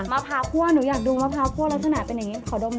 มะพร้าวคั่วหนูอยากดูมะพร้าวคั่วลักษณะเป็นอย่างนี้ขอดม